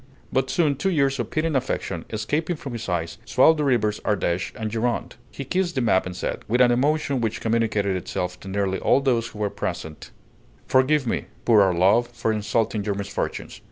But soon two tears of pitying affection, escaping from his eyes, swelled the rivers Ardèche and Gironde. He kissed the map and said, with an emotion which communicated itself to nearly all those who were present: "Forgive me, poor old love, for insulting your misfortunes.